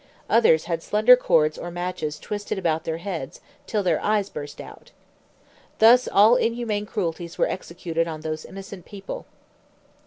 Others had slender cords or matches twisted about their heads, till their eyes burst out. Thus all inhuman cruelties were executed on those innocent people.